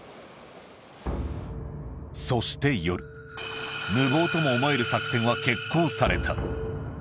そして夜、無謀とも思える作戦は決行された。